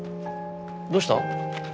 どうした？